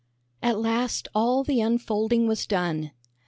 At last all the unfolding was done.